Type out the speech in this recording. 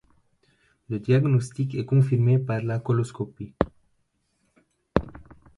Le diagnostic est confirmé par la coloscopie.